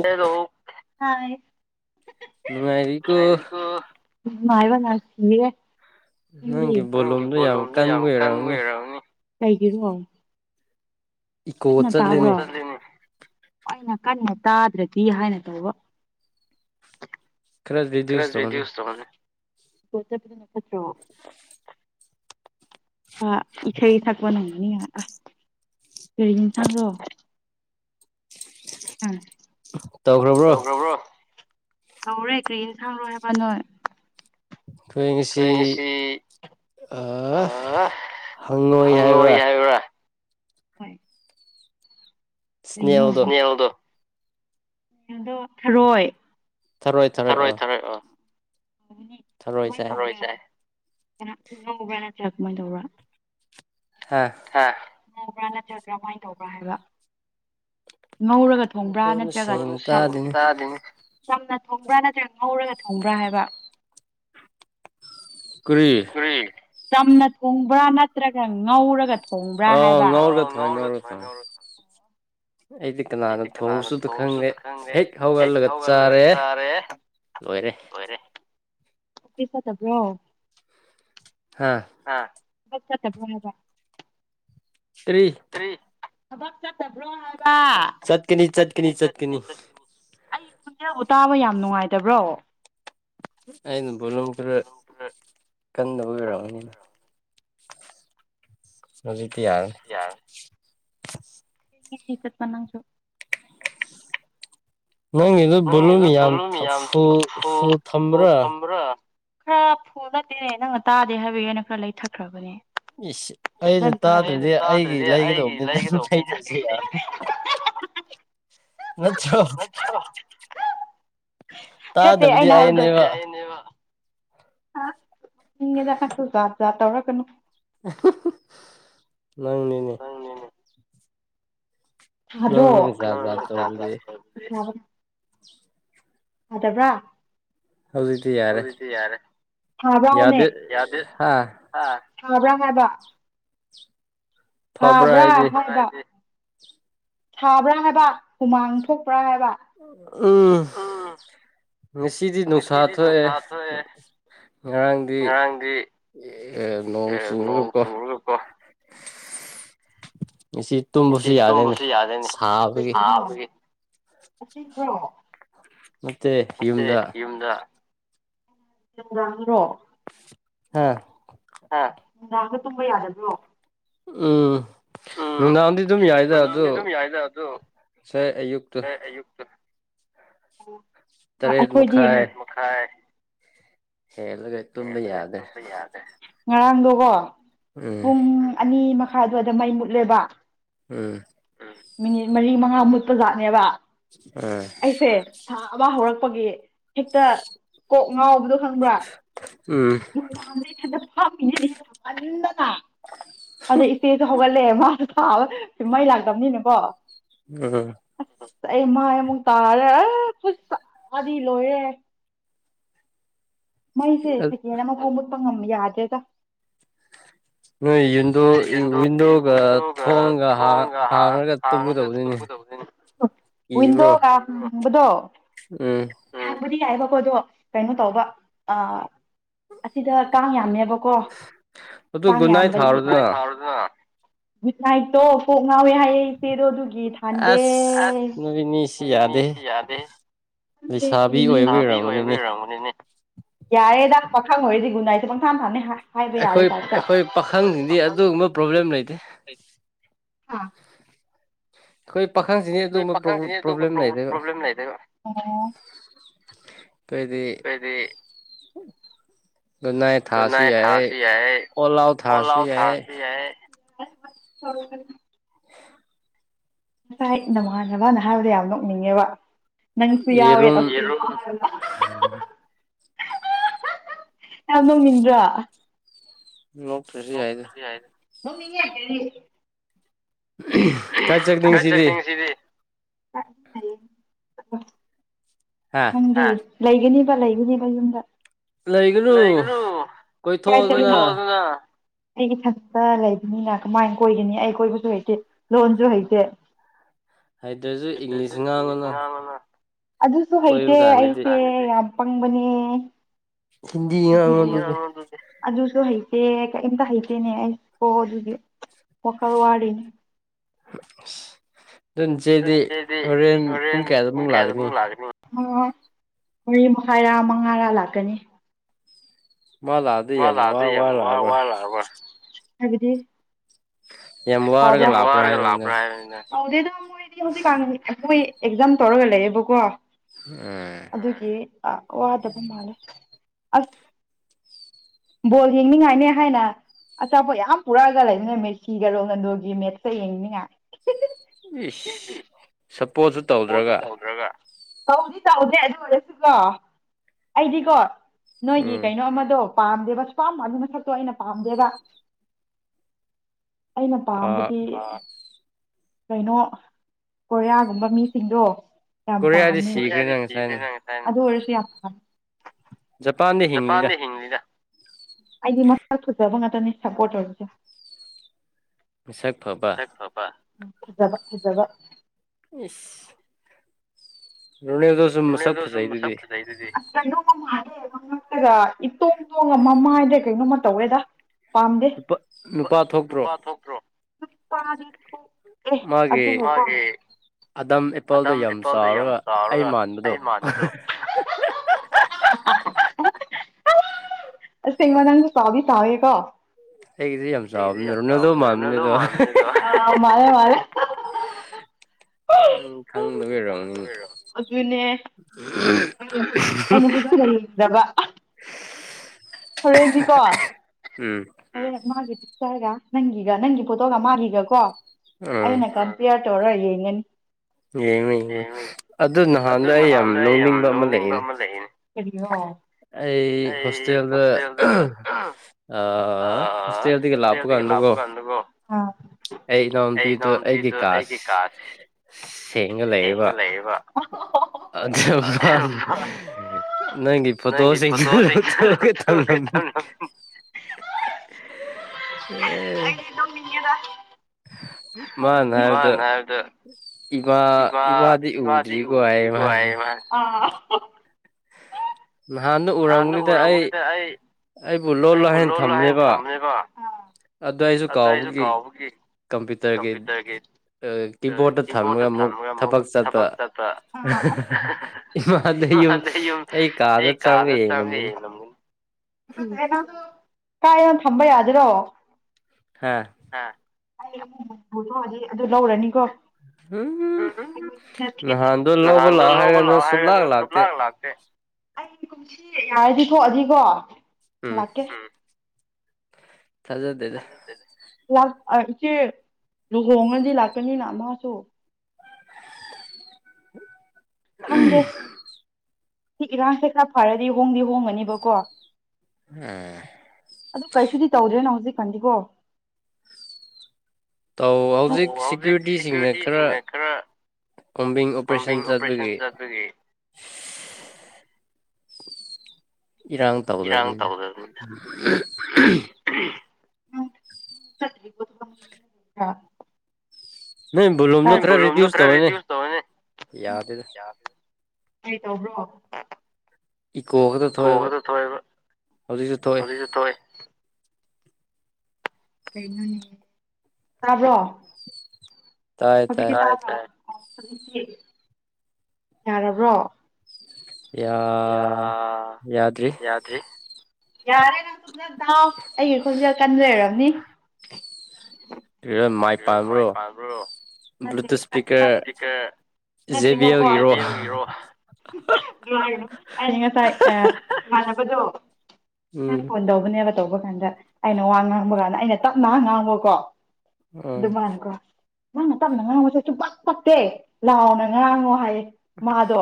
hello hi ꯅꯨꯡꯉꯥꯏꯔꯤꯀꯣ ꯅꯨꯉꯥꯏꯕꯥ ꯉꯥꯛꯇꯥꯅꯦ ꯅꯪꯒꯤ ꯕꯣꯂꯨꯝꯗꯣ ꯌꯥꯝ ꯀꯟꯕ ꯑꯣꯏꯔꯛꯑꯅꯤ [unintelligible] ꯏꯀꯣ ꯆꯠꯂꯅꯦ ꯑꯩꯅ ꯀꯟꯅ ꯇꯥꯗ꯭ꯔꯗꯤ ꯍꯥꯏꯅ ꯇꯧꯕ ꯈꯔ ꯔꯤꯗꯨꯁ ꯇꯧꯍꯟꯅꯤ [unintelligible] ꯆꯠꯇ꯭ꯔꯣ ꯑ ꯏꯈꯩ ꯊꯥꯛꯄ ꯅꯨꯡ ꯑ ꯀꯔꯤ ꯏꯟꯁꯥꯡꯔꯣ ꯎꯝ ꯇꯧꯈ꯭ꯔꯕ꯭ꯔꯣ ꯇꯧꯔꯦ ꯀꯔꯤ ꯏꯟꯁꯥꯡ ꯂꯣꯏꯔꯕ ꯅꯣꯏ ꯑꯩꯈꯣꯏ ꯉꯁꯤ ꯍꯪꯉꯣꯏ ꯍꯥꯏꯕ꯭ꯔꯥ ꯍꯣꯏ ꯀꯔꯤꯅꯣ ꯏꯁꯅꯦꯜꯗꯣ ꯊꯔꯣꯏ ꯊꯔꯣꯏ ꯊꯔꯣꯏꯑꯣ [unintelligible] [unintelligible] ꯈꯔ ꯀꯃꯥꯏꯅ ꯇꯧꯕ ꯍꯥꯥ ꯉꯧꯕ꯭ꯔꯥ ꯅꯠꯇ꯭ꯔꯕ꯭ꯔꯥ ꯀꯃꯥꯏꯅ ꯇꯧꯕ꯭ꯔꯥ ꯍꯥꯏꯕ ꯉꯧꯔꯒ ꯊꯣꯡꯕ꯭ꯔꯥ ꯅꯠꯇ꯭ꯔꯒ ꯆꯝꯅ ꯊꯣꯡꯕ꯭ꯔꯥ ꯅꯠꯇ꯭ꯔꯒ ꯉꯧꯔꯒ ꯊꯣꯡꯕ꯭ꯔꯥ ꯍꯥꯏꯕ ꯀꯔꯤ ꯆꯝꯅ ꯊꯣꯡꯕ꯭ꯔꯥ ꯅꯠꯇ꯭ꯔꯒ ꯉꯧꯔꯒ ꯑꯥ ꯉꯧꯔꯒ ꯊꯣꯡꯑꯦ ꯉꯧꯔꯒ ꯊꯣꯡꯑꯦ ꯑꯩꯗꯤ ꯀꯅꯥꯅ ꯊꯣꯡꯕꯁꯨ ꯈꯪꯗꯦ ꯍꯦꯛ ꯍꯧꯒꯠꯂꯒ ꯆꯥꯔꯦ ꯂꯣꯏꯔꯦ ꯑꯣꯐꯤꯁ ꯆꯠꯇꯕ꯭ꯔꯣ ꯍꯥꯥ ꯊꯕꯛ ꯆꯠꯇꯕ꯭ꯔꯣ ꯍꯥꯏꯕ ꯇ꯭ꯔꯤ ꯊꯕꯛ ꯆꯠꯇꯕ꯭ꯔꯣ ꯍꯥꯏ ꯆꯠꯀꯅꯤ ꯆꯠꯀꯅꯤ ꯆꯠꯀꯅꯤ ꯑꯩ ꯈꯣꯟꯖꯦꯜꯕꯨ ꯇꯥꯕ ꯌꯥꯝ ꯅꯨꯡꯉꯥꯏꯇꯕ꯭ꯔꯣ ꯑꯩꯅ ꯕꯣꯂꯨꯝ ꯈꯔ ꯀꯟꯗꯕ ꯑꯣꯏꯔꯝꯒꯅꯤ [inaudible] ꯍꯧꯖꯤꯛꯇ ꯌꯥꯔꯦ [unintelligible] ꯅꯪꯒꯤꯗꯨ ꯕꯣꯂꯨꯝ ꯌꯥꯝ ꯐꯨꯂ ꯊꯝꯕ꯭ꯔꯥ ꯈꯔ ꯐꯨ ꯅꯠꯇꯦꯅꯦ ꯅꯪꯅ ꯇꯥꯗꯦ ꯍꯥꯏꯕꯒꯤ ꯑꯩꯅ ꯈꯔ ꯂꯩꯊꯈ꯭ꯔꯕꯅꯦ ꯑꯩꯅ ꯇꯥꯗ꯭ꯔꯗꯤ ꯑꯩꯒꯤ ꯂꯩꯒꯗꯧꯕꯅꯤ ꯅꯪ ꯂꯩꯗ꯭ꯔꯁꯨ ꯌꯥꯅꯤ ꯅꯠꯇ꯭ꯔꯣ ꯠꯇꯦ ꯑꯩꯅ ꯍꯥꯏ ꯑ ꯃꯤꯦꯗ ꯀꯠ ꯀ ꯇꯧꯔ ꯀꯅꯨ [unintelligible] ꯅꯪꯅꯤꯅꯦ ꯍꯜꯂꯣ ꯌꯗꯕ꯭ꯔꯥ ꯍꯧꯗꯤ ꯌꯥꯔꯕ ꯌꯥꯗꯕ ꯍꯥꯏꯕ ꯍꯥꯎꯕꯔꯥ ꯍꯥꯪꯕꯥ ꯁꯥꯕ꯭ꯔꯥ ꯍꯥꯏꯕ ꯍꯨꯃꯥꯡ ꯊꯣꯛ ꯎꯝ ꯉꯁꯤꯗꯤ ꯅꯨꯡꯁꯥ ꯊꯣꯛꯑꯦ ꯉꯔꯥꯡꯗꯤ ꯅꯣꯡ ꯆꯨꯔꯒꯀꯣ ꯃꯁꯤ ꯇꯨꯝꯕꯁꯨ ꯌꯥꯗꯣꯏꯅꯤ ꯁꯥꯕꯒꯤ ꯑꯁꯤ ꯀꯣ ꯅꯇꯦ ꯌꯨꯝꯗ ꯭ꯅꯨꯝꯗꯥꯪꯔꯣ ꯍꯥꯥ ꯅꯨꯡꯗꯥꯡꯗꯨ ꯇꯨꯝꯕ ꯌꯥꯗꯕꯔꯣ ꯑ ꯅꯨꯡꯗꯥꯡꯗꯤ ꯑꯗꯨꯝ ꯌꯥꯏꯗ ꯑꯣ ꯉꯦ ꯑꯌꯨꯛꯇꯣ ꯎꯝ ꯑꯩꯈꯣꯏꯗꯤ ꯍꯦꯜꯂꯒ ꯇꯨꯕ ꯌꯥꯗ꯭ꯔꯦ ꯉꯔꯥꯡꯗꯨꯀꯣ ꯎꯨꯝ ꯑꯅꯤ ꯃ ꯃꯈꯥ ꯑꯗꯨꯋꯥꯏꯗ ꯃꯩ ꯃꯨꯠꯂꯦꯕ ꯎꯝ ꯃꯤꯅꯤꯠ ꯃꯔꯤ ꯃꯉꯥ ꯃꯨꯠꯄ ꯖꯥꯠꯅꯦꯕ ꯑ ꯑꯃ ꯍꯧꯔꯛꯄꯒꯤ ꯍꯦꯛꯇ ꯀꯣꯛ ꯉꯥꯎꯕꯗꯣ ꯈꯪꯕ꯭ꯔꯥ ꯎꯝ [unintelligible] ꯑꯗ ꯏꯆꯦꯁꯨ ꯂꯦꯃꯥ ꯊꯥ ꯃꯩ ꯂꯥꯛꯇꯕꯅꯤꯅꯦꯀꯣ ꯎꯝ ꯑꯩ ꯃꯥꯏ ꯑꯃꯨꯛ ꯇꯥꯔꯦ ꯑꯠ ꯁꯥꯗꯤ ꯂꯣꯏꯔꯦ ꯃꯩꯁꯦ ꯁꯦꯀꯦꯟ ꯑꯃꯐꯥꯎ ꯃꯨꯠ ꯉ ꯌꯥꯗꯦꯒ ꯅꯣꯏ ꯌꯨꯟꯗ ꯋꯤꯟꯗꯣꯒ ꯊꯣꯡꯒ ꯍꯥꯡꯉꯒ ꯇꯨꯝꯒꯗꯕꯅꯤꯅꯤ ꯀꯤꯕ꯭ꯔꯣ ꯅꯪꯕꯗꯣ ꯎꯝ ꯗꯤ ꯌꯥꯏꯕꯀꯣ ꯑꯗꯣ ꯀꯩꯅꯣ ꯇꯧꯕ ꯑꯁꯤꯗ ꯀꯥꯡ ꯌꯥꯝꯃꯦꯕ ꯀꯣ ꯇꯥꯡ ꯌꯥꯝꯕꯩ ꯥ [unintelligible] ꯊꯥꯎꯔꯣꯗꯅ ꯒꯨꯠ ꯅꯥꯏꯠꯇꯣ ꯀꯣꯛ ꯉꯥꯎꯋꯦ ꯍꯥꯏꯌꯦ ꯒꯤꯗꯣ ꯗꯨꯒꯤ ꯊꯗꯦ ꯅꯨꯃꯤꯠ ꯅꯤ ꯁꯤ ꯌꯥꯗꯦ ꯁꯥꯕꯤ ꯑꯣꯏꯕꯤ ꯑꯣꯏꯔꯝꯃꯅꯤꯅꯦ ꯌꯥꯔꯦꯗ ꯄꯥꯈꯪ ꯑꯣꯢꯔꯤꯗꯤ ꯒꯨꯟꯅꯥꯏ ꯃꯪꯊꯥ ꯊꯥꯅꯦ ꯍꯥꯏ ꯑꯩꯈꯣꯏ ꯑꯩꯈꯣꯏ ꯄꯥꯈꯪꯁꯤꯟꯗꯤ ꯑꯗꯨꯝ ꯗꯨꯒꯨꯝꯕ ꯄ꯭ꯔꯣꯕ꯭ꯂꯦꯝ ꯂꯩꯇꯦ ꯍꯥꯥ ꯈꯣꯢ ꯑꯩꯈꯣꯏ ꯄꯥꯈꯪꯁꯤꯗꯤ ꯑꯗꯨꯒꯕ ꯄ꯭ꯔꯣꯕ꯭ꯂꯦꯝ ꯂꯩꯇꯦꯕꯥ ꯍꯥꯏꯗꯤ ꯅꯥꯏ ꯊꯥꯁꯨ ꯌꯥꯏ ꯑꯣꯂꯥꯎ ꯊꯥꯁꯨ ꯌꯥꯏ [unintelligible] ꯉꯁꯥꯏ ꯅꯃꯥꯟꯅꯕꯅ ꯍꯥꯏꯕꯗꯣ ꯌꯥꯝ ꯅꯣꯛꯅꯤꯡꯉꯦꯕ ꯅꯪꯁꯨ ꯌꯥꯋꯦꯗ [unintelligible] [unintelligible] ꯌꯥꯝ ꯅꯧꯅꯤꯡꯗ꯭ꯔꯥ ꯂꯣꯛꯇ꯭ꯔꯦꯁ ꯌꯥꯗ ꯅꯣꯛꯅꯤꯡꯉꯦ ꯀꯔꯤ ꯀꯥꯏ ꯆꯠꯀꯅꯤ ꯉꯁꯤꯁꯤꯗꯤ ꯌꯦ ꯅꯪꯗꯤ ꯂꯩꯒꯅꯤꯕ ꯂꯩꯒꯅꯤꯕ ꯌꯨꯝꯗ ꯂꯩꯒꯅꯨ ꯀꯣꯏꯊꯣꯛꯑꯗꯅ ꯑꯩꯒꯤꯊꯟꯇ ꯂꯩꯕꯅꯤꯅ ꯀꯃꯥꯏ ꯀꯣꯏꯒꯅꯤ ꯑꯩ ꯀꯣꯏꯕꯁꯨ ꯍꯩꯇꯦ ꯂꯣꯟꯁꯨ ꯍꯩꯇꯦ ꯍꯥꯏꯗ꯭ꯔꯁꯨ ꯏꯪꯂꯤꯁ ꯉꯥꯡꯉꯅ ꯁꯨ ꯍꯩꯇꯦ ꯑꯩꯁꯦ ꯄꯪꯕꯅꯤ ꯍꯤꯟꯗꯤ ꯉꯥꯡꯉꯣ ꯑꯗꯨꯗꯤ ꯍꯩꯇꯦ ꯀꯔꯤꯝꯇ ꯍꯩꯇꯦꯅꯦ ꯑꯩ ꯀꯣ ꯑꯗꯨꯗꯤ ꯋꯥꯈꯜ ꯋꯥꯔꯤꯅꯦ [inaudible] ꯅꯣꯏ ꯏꯆꯦꯗꯤ ꯍꯣꯔꯦꯟ ꯄꯨꯡ ꯀꯌꯥꯗꯃꯨꯛ ꯂꯥꯛꯀꯅꯤꯅꯣ ꯃꯔꯤ ꯃꯈꯥꯏꯔꯥ ꯃꯉꯥꯔꯥ ꯂꯥꯛꯀꯅꯤ ꯃꯥ ꯂꯥꯛꯑꯗ ꯌꯥꯝ ꯋꯥꯔ ꯋꯥꯔ ꯂꯥꯛꯑꯔꯕ꯭ꯔ ꯍꯥꯏꯕꯗꯤ ꯌꯥꯝ ꯋꯥꯔꯒ ꯂꯥꯛꯄꯔ ꯍꯥꯏꯕꯅꯤꯗ ꯇꯧꯗꯦ ꯑꯗꯣ ꯃꯣꯏꯗꯤ ꯍꯧꯖꯤꯛꯀꯥꯟ ꯑꯩꯈꯣꯎꯏ ꯑꯦꯩꯩꯛꯖꯥꯝ ꯇꯧꯔꯒ ꯂꯩꯌꯦꯦꯕꯀꯣ ꯑꯦ ꯑ ꯋꯥꯗꯕ ꯃꯥꯂ ꯑꯁ ꯕꯣꯜ ꯌꯦꯡꯅꯤꯡꯉꯥꯏꯅꯦ ꯍꯥꯏꯅ ꯑꯆꯥꯄꯣꯠ ꯌꯥꯝ ꯄꯨꯔꯛꯑꯒ ꯂꯩꯃꯤꯟꯅꯃꯦꯁꯤꯒ ꯔꯣꯅꯥꯟꯗꯣꯒꯤ ꯃꯦꯠꯁꯇ ꯌꯦꯡꯅꯤꯡꯉꯥꯏ ꯏ ꯁ ꯄꯣꯠꯁꯨ ꯇꯧꯗ꯭ꯔꯒ ꯇꯧꯗꯤ ꯇꯧꯗ꯭ꯔꯦ ꯑꯗꯨ ꯑꯣꯏꯔꯁꯨꯀꯣ ꯑꯩꯗꯤꯀꯣ ꯅꯣꯏꯒꯤ ꯀꯩꯅꯣ ꯑꯃꯗꯣ ꯄꯥꯝꯗꯦꯕꯁꯨ ꯄꯄꯥꯝ ꯃꯥꯗꯨꯅ ꯃꯁꯛꯇꯣ ꯑꯩꯅ ꯄꯥꯝꯗꯦꯕ ꯑꯩꯅ ꯄꯥꯝꯕꯗꯤ ꯀꯩꯅꯣ ꯀꯣꯔꯤꯌꯥꯒꯨꯝꯕ ꯃꯤꯁꯤꯡꯗꯣ ꯌꯥꯝ ꯄꯥꯝꯃꯦ [inaudible] ꯖꯄꯥꯟꯗꯦ ꯍꯤꯡꯂꯤꯗ ꯑꯩꯗꯤ ꯃꯁꯛ ꯐꯖꯕ ꯉꯥꯛꯇꯅꯤ ꯁꯞꯄꯣꯔꯠ ꯇꯧꯔꯤꯁꯦ ꯃꯁꯛ ꯐꯕ ꯐꯖꯕ ꯐꯖꯕ ꯏꯁꯁ ꯔꯣꯅꯦꯜꯗꯣꯁꯨ ꯃꯁꯛ ꯐꯖꯩꯗꯨꯗꯤ [inaudible] [unintelligible] ꯇꯣꯡꯉ ꯃꯃꯥꯏꯗ ꯀꯩꯅꯣꯝꯃ ꯇꯧꯋꯦꯗ ꯄꯥꯝꯗꯦ ꯄꯥ ꯅꯨꯄꯥ ꯊꯣꯛꯇ꯭ꯔꯣ ꯅꯨꯄꯥꯗꯤ ꯊꯣꯛ ꯃꯥꯒꯤ ꯑꯗꯝ ꯑꯦꯞ ꯏꯄꯥꯜꯗ ꯌꯥꯝ ꯆꯥꯎꯔꯒ ꯑꯩ ꯃꯥꯟꯕꯗꯣ ꯑꯁꯦꯡꯕ ꯅꯪꯁꯨ ꯆꯥꯎꯗꯤ ꯆꯥꯎꯋꯦꯀꯣ ꯑꯩꯒꯤꯗꯤ ꯌꯥꯝ ꯆꯥꯎꯕꯅꯤꯗ ꯔꯣꯅꯥꯜꯗꯣ ꯃꯥꯟꯅꯥꯕꯅꯤꯗ ꯑꯥꯎ ꯃꯥꯜꯂꯦ ꯃꯥꯜꯂꯦ ꯊꯖꯗꯕꯩꯔꯣ ꯑꯗꯨꯅꯦ ꯑꯩꯅ ꯂꯩꯗꯕ ꯍꯣꯔꯦꯟꯗꯤꯀꯣ ꯍꯣꯔꯦꯟ ꯃꯥꯒꯤ ꯔꯒ ꯅꯪꯒꯤꯒ ꯅꯪꯒꯤ ꯐꯣꯠꯇꯣꯒ ꯃꯥꯒꯤꯒ ꯀꯣ ꯑꯩꯅ ꯀꯝꯄꯤꯌꯔ ꯇꯧꯔ ꯒꯅꯤ ꯌꯦꯡꯉꯤ ꯌꯦꯡꯉꯨ ꯑꯗꯨ ꯅꯍꯥꯟꯗ ꯑꯩ ꯌꯥꯝ ꯅꯣꯛꯅꯤꯡꯕ ꯑꯃ ꯂꯩꯅꯦ ꯑꯩ ꯍꯣꯁꯇꯦꯜꯗ ꯍꯣꯁꯇꯦꯜꯗꯒꯤ ꯂꯥꯛꯄ ꯀꯥꯟꯗꯀꯣ ꯑꯩ ꯏꯅꯥꯎꯅꯨꯄꯤꯗ ꯑꯩꯒꯤ ꯀꯥꯁ ꯁꯦꯡꯅ ꯂꯩꯌꯦꯕ ꯑꯗꯨ ꯃꯥꯅ ꯅꯪꯒꯤ ꯐꯣꯇꯣꯁꯤꯡꯗꯨ ꯂꯧꯊꯣꯛꯑꯒ ꯊꯅꯝꯑꯦ ꯃꯥꯅ ꯍꯥꯏꯕꯗ ꯏꯃꯥ ꯏꯃꯥꯗꯤ ꯎꯗ꯭ꯔꯤꯀꯣ ꯍꯥꯏꯑꯦ ꯃꯥ ꯅ ꯑ ꯅꯍꯥꯟꯗꯣ ꯎꯔꯝꯒꯅꯤꯗ ꯑꯩ ꯑꯩꯕꯨ ꯂꯣꯠꯂꯣ ꯍꯥꯏꯅ ꯊꯝꯕꯅꯦꯀꯣ ꯑꯗꯨ ꯑꯗꯨꯗ ꯑꯩꯁꯨ ꯀꯥꯎꯕꯒꯤ ꯀꯝꯄ꯭ꯌꯨꯇꯔꯒꯤ ꯀꯤꯕꯣꯔꯠꯇ ꯊꯝꯃꯒ ꯑꯃꯨꯛ ꯊꯕꯛ ꯆꯠꯄ ꯏꯃꯥꯗꯤ ꯌꯨꯝ ꯑꯩ ꯑꯩ ꯀꯥꯗ ꯆꯥꯡꯉ ꯌꯦꯡꯉꯝꯃꯨ ꯀꯥꯏ ꯌꯥꯝ ꯊꯝꯕ ꯌꯥꯗꯣꯏꯔꯣ ꯍꯥꯥ ꯍꯧꯖꯤꯛ ꯑꯗꯨ ꯂꯧꯔꯅꯤꯀꯣ ꯅꯍꯥꯟ ꯑꯗꯨ ꯂꯧꯕ ꯂꯥꯛꯑꯣ ꯍꯥꯏꯔꯦꯅ ꯁꯨꯞꯂꯥꯛ ꯂꯥꯛꯁꯦ ꯑꯩ ꯀꯨꯝꯁꯤ ꯌꯥꯔꯗꯤ ꯊꯣꯛꯑꯗꯤꯀꯣ ꯎꯝ ꯊꯖꯗꯦꯗꯥ ꯏꯆꯦ ꯂꯨꯍꯣꯡꯉꯗꯤ ꯂꯥꯛꯀꯅꯤꯅ ꯃꯥꯁꯨ ꯈꯝꯗꯦ ꯁꯤ ꯏꯔꯥꯡꯁꯦ ꯈꯔ ꯐꯔꯗꯤ ꯍꯣꯡꯗꯤ ꯍꯣꯡꯒꯅꯤꯕꯀꯣ ꯑꯗꯨ ꯀꯩꯁꯨꯗꯤ ꯇꯧꯗ꯭ꯔꯣꯏꯦꯅꯣ ꯍꯧꯖꯤꯛ ꯀꯗꯤꯤꯀꯣ ꯇꯧ ꯍꯧꯖꯤꯛ ꯁꯤꯦꯀ꯭ꯌꯨꯔꯤꯇꯤꯁꯤꯡꯅ ꯈꯔ ꯀꯣꯝꯕꯤꯪ ꯑꯣꯄꯔꯦꯁꯟ ꯆꯠꯄꯒꯤ ꯏꯔꯥꯡ ꯇꯧꯗꯕꯅꯤꯅ [unintelligible] ꯅꯣꯏ ꯕꯣꯂꯨꯝꯗꯣ ꯈꯔ ꯔꯤꯗ꯭ꯌꯨꯁ ꯇꯧꯅꯦ ꯌꯥꯗꯦꯗ ꯀꯔꯤ ꯇꯧꯕ꯭ꯔꯣ ꯏꯀꯣ ꯈꯔ ꯊꯣꯛ ꯑꯕꯥ ꯀꯩꯅꯣꯅꯦ ꯇꯥꯕ꯭ꯔꯣ [unintelligible] ꯌꯥꯔꯕ꯭ꯔꯣ ꯌꯥ ꯌꯥꯗ꯭ꯔꯤ ꯌꯥꯔꯦ ꯅꯪꯁꯨꯑꯣ ꯑꯩꯒꯤ ꯑꯩꯈꯣꯟꯁ ꯀꯟ ꯂꯩꯔꯕꯅꯤ ꯃꯥꯏ ꯄ꯭ꯔꯣꯔꯣ ꯉꯁꯥꯏꯅꯕꯗꯣ ꯑꯩꯅꯥ ꯐꯣꯟ ꯇꯧꯕꯅꯦꯕꯥ ꯇꯧꯕ ꯀꯥꯟꯗ ꯑꯩꯅ ꯋꯥ ꯉꯥꯡꯕ ꯀꯥꯟꯗ ꯑꯩꯅ ꯇꯞꯅ ꯉꯥꯡꯕꯀꯣ ꯑꯗꯨꯃꯅꯀꯣ ꯅꯥꯡꯅ ꯇꯞꯅ ꯉꯥꯡꯉꯁꯦ ꯁꯄꯛ ꯐꯛꯇꯦ ꯂꯥꯎꯅ ꯉꯥꯡꯉꯣ ꯍꯥꯏꯌꯦ ꯃꯥꯗꯣ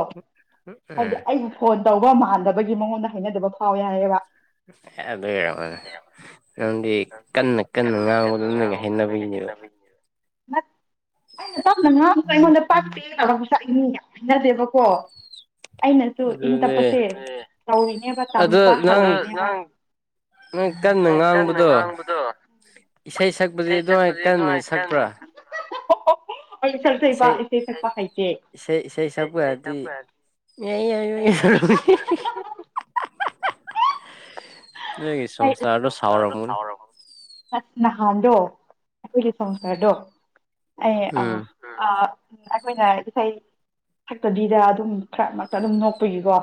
ꯍꯥꯏꯕꯗꯤ ꯑꯩꯕꯨ ꯐꯣꯟ ꯇꯧꯕ ꯃꯥꯟꯗꯕꯒꯤ ꯃꯉꯣꯟꯗ ꯍꯩꯅꯗꯕ ꯐꯥꯎ ꯌꯥꯏꯑꯕ ꯑꯗ ꯅꯪꯗꯤ ꯀꯟꯅ ꯀꯟꯅ ꯉꯥꯡꯕꯗꯅꯒ ꯍꯩꯅꯅꯕꯒꯤꯅꯦꯕ ꯃꯠ ꯑꯩꯅ ꯇꯞꯅ ꯉꯅꯕꯗ ꯑꯩꯉꯣꯟꯗ ꯄ ꯍꯥꯏꯅꯗꯦꯕꯀꯣ ꯑꯩꯅꯁꯨ ꯏꯪ ꯇꯞꯄꯁꯦ ꯇꯧꯔꯤꯅꯦꯕ ꯇꯝꯕ ꯍꯪꯦꯕ ꯗꯣ ꯏꯁꯩ ꯁꯛꯄꯗꯤ ꯑꯗꯨꯃꯥꯏꯅ ꯀꯟꯅ ꯁꯛꯄ꯭ꯔꯥ ꯍ ꯑꯣ ꯁꯛ ꯆꯩꯕ ꯏꯆꯦ ꯁꯛꯄ ꯍꯩꯇꯦ ꯅ ꯁꯁꯥ ꯁꯥꯎꯔꯃꯅꯤ ꯑꯁ ꯅꯍꯥꯟꯗꯣ ꯑꯩꯈꯣꯏꯒꯤ ꯁꯪꯁꯥꯔꯗꯣ ꯑꯦ ꯑꯥ ꯑ ꯎ ꯑꯩꯈꯣꯏꯅ ꯏꯁꯩ ꯁꯛꯇꯕꯤꯗ ꯑꯗꯨꯝ ꯈꯔꯃꯛꯇ ꯑꯗꯨꯝ ꯅꯣꯛꯄꯒꯤꯀꯣ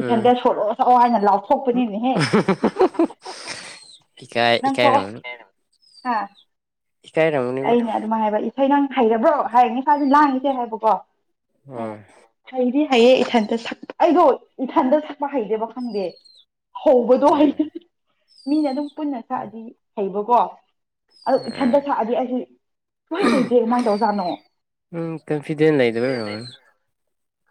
ꯏꯊꯟꯗ ꯁꯣꯂꯛꯑꯣ ꯁꯛꯑꯣ ꯍꯥꯏꯅ ꯂꯥꯎꯊꯣꯛꯄꯅꯤꯅꯦꯍꯦ ꯏꯀꯥꯏ ꯏ ꯀꯥꯏ ꯅ ꯍꯥꯥ ꯑꯩꯅ ꯑꯗꯨꯝꯥꯏ ꯍꯥꯏꯕ ꯏꯁꯩ ꯅꯪ ꯍꯩꯔꯕ꯭ꯔꯣ ꯍꯥꯏꯌꯦ ꯏꯁꯥꯥꯁ ꯂꯥꯡꯉ ꯍꯥꯏꯕꯣꯀꯣ ꯑꯩꯅꯥ ꯍꯩꯌꯦ ꯏꯊꯟꯇ ꯁꯛꯄ ꯑꯩꯗꯣ ꯏꯊꯟꯇ ꯁꯛꯄ ꯍꯩꯗꯦꯕ ꯈꯪꯗꯦ ꯍꯑꯧꯕꯗꯣ ꯍꯩ ꯃꯤꯅ ꯑꯗꯨꯝ ꯄꯨꯟꯅ ꯁꯛꯑꯗꯤ ꯍꯩꯕꯀꯣ ꯑꯗꯨ ꯏꯊꯟꯗ ꯁꯛꯑꯗꯤ ꯑꯩ ꯎꯝ ꯀꯟꯐꯏꯗꯦꯟꯠ ꯂꯩꯇꯕꯩ ꯑꯣꯏꯔꯝꯅꯤ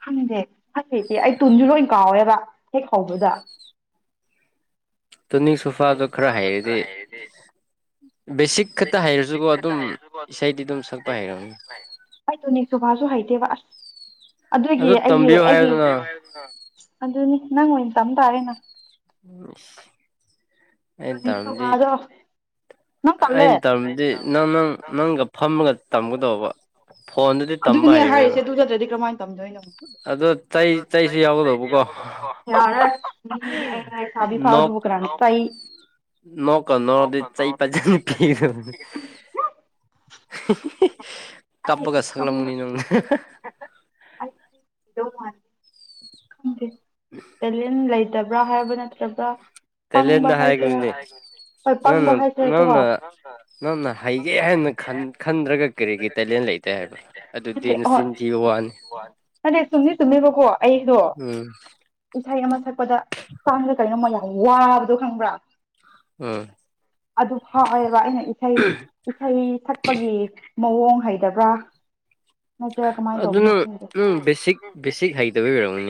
ꯈꯪꯁꯦ ꯈꯪꯉꯦ ꯏꯆ ꯑꯩ ꯇꯨꯟꯁꯨ ꯂꯣꯏ ꯀꯥꯎꯋꯦꯕ ꯍꯦꯛ ꯍꯧꯕꯗ ꯇꯨꯅꯤꯡꯛ ꯁꯣꯐꯥꯗꯣ ꯈꯔ ꯍꯩꯔꯗꯤ ꯕꯦꯁꯤꯛ ꯈꯛꯇ ꯍꯩꯔꯁꯨꯀꯣ ꯑꯗꯨꯝ ꯏꯁꯩꯗꯤ ꯑꯗꯨꯝ ꯁꯛꯄ ꯍꯩꯔꯝꯅꯤ ꯑꯗꯨꯒꯤ ꯑꯩꯒꯤ ꯑꯩꯒꯤ ꯑꯗꯨꯅꯤ ꯅꯪ ꯑꯣꯏꯅ ꯇꯝ ꯇꯥꯔꯦꯅ ꯎꯝ ꯁꯨꯣ ꯐꯥꯗ ꯅꯪ ꯇꯜꯂ ꯑꯗꯨꯅꯦ ꯍꯥꯏꯔꯤꯁꯦ ꯑꯗꯨ ꯅꯗ꯭ꯔꯗꯤ ꯀꯔꯍꯥꯏꯅ ꯇꯝꯗꯣꯏꯅꯣꯣ ꯌꯥ ꯏꯁꯥꯗꯤ ꯐꯥꯎ ꯑꯗꯨꯕꯨ ꯀꯅꯣ ꯅꯀ ꯅꯗꯤ ꯆ ꯖ ꯄꯤ ꯀꯄ ꯀꯁꯒꯂ ꯃꯅꯤꯅꯣ ꯂ ꯂꯥꯏ ꯗꯕ꯭ꯔꯥ ꯍꯥꯏꯕ ꯅꯠꯇ꯭ꯔꯕ꯭ꯔꯥ ꯇꯦꯂꯦꯟꯗ ꯍꯥꯏꯈꯗꯨꯅꯦ ꯅꯪꯅ ꯅꯪꯅ ꯅꯪꯅ ꯍꯩꯒꯦ ꯍꯥꯏꯅ ꯈꯟꯗ꯭ꯔꯒ ꯀꯔꯤꯒꯤ ꯇꯦꯂꯦꯟ ꯂꯩꯇꯦ ꯍꯥꯏꯕ ꯑꯗꯨꯗꯤ ꯅꯆꯤꯟꯊꯤ ꯋꯥꯅꯤ ꯏꯁꯩ ꯑꯃ ꯁꯛꯄꯗ ꯄꯥꯡꯗ ꯀꯩꯅꯣ ꯌꯥꯝ ꯋꯥꯕꯗꯣ ꯈꯪꯕ꯭ꯔꯥ ꯑꯗꯨ ꯍꯥꯎꯋꯦꯕ ꯑꯩꯅ ꯏꯁꯩ ꯏꯁꯩ ꯁꯛꯄꯒꯤ ꯃꯑꯣꯡ ꯍꯩꯇꯕ꯭ꯔꯥ ꯑꯗꯨꯅ ꯎꯝ ꯕꯦꯁꯤꯛ ꯕꯦꯁꯤꯛ ꯍꯩꯇꯕꯤꯕꯤꯔꯝꯃꯅꯤ